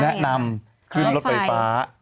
แนะนำขึ้นรถไฟฟ้า